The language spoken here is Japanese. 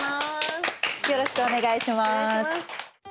よろしくお願いします。